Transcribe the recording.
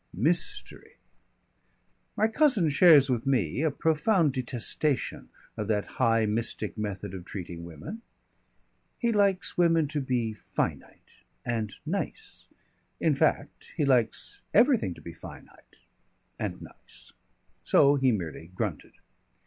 "Mystery." My cousin shares with me a profound detestation of that high mystic method of treating women. He likes women to be finite and nice. In fact, he likes everything to be finite and nice. So he merely grunted.